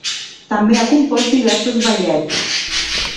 També ha compost diversos ballets.